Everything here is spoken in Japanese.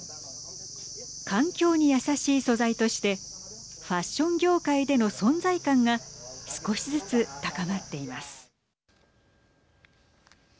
環境に優しい素材としてファッション業界での存在感が少しずつ高まっています。